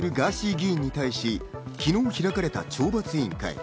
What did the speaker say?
議員に対し、昨日開かれた懲罰委員会。